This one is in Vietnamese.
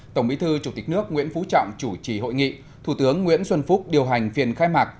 tổng bí thư chủ tịch nước nguyễn phú trọng chủ trì hội nghị thủ tướng nguyễn xuân phúc điều hành phiền khai mạc